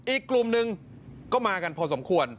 อีกกลุ่มหนึ่งก็มากันพอสมควร